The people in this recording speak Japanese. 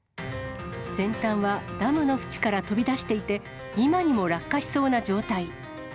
先端はダムの縁から飛び出していて、今にも落下しそうな状態。